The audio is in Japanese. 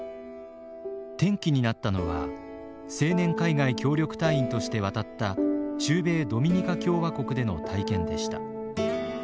転機になったのは青年海外協力隊員として渡った中米ドミニカ共和国での体験でした。